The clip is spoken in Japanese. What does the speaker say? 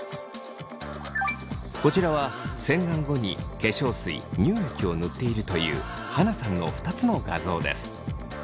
こちらは洗顔後に化粧水乳液を塗っているというはなさんの２つの画像です。